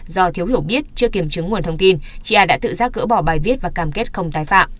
do thiếu hiểu biết chưa kiểm chứng nguồn thông tin chị a đã tự ra cỡ bỏ bài viết và cam kết không tái phạm